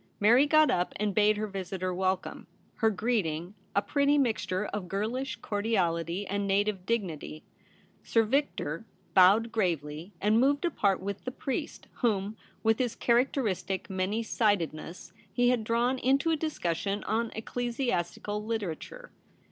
Mary got up and bade her visitor welcome, her greeting a pretty mixture of girlish cordiality and native dignity. Sir Victor bowed gravely, and moved apart with the priest, whom, with his characteristic many sidedness, he had drawn into a discussion on ecclesiastical literature.